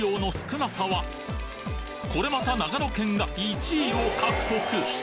これまた長野県が１位を獲得！